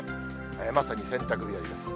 まさに洗濯日和です。